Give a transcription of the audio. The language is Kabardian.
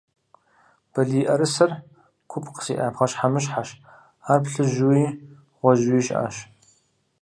Балийӏэрысэр купкъ зиӏэ пхъэщхьэмыщхьэщ, ар плъыжьууи гъуэжьууи щыӏэщ.